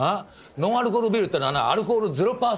ノンアルコールビールってのはなアルコール０％。